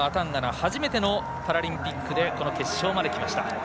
初めてのパラリンピックでこの決勝まできました。